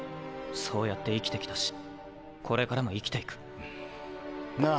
そうやって生きてきたしこれからも生きていく。なぁ。